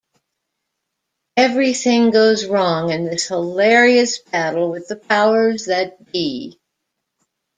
Everything goes wrong in this hilarious battle with the powers that be!